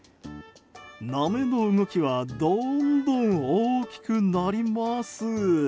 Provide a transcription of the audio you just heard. なめの動きはどんどん大きくなります。